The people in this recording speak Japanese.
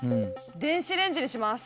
電子レンジにします。